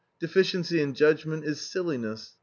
Deficiency in judgment is silliness.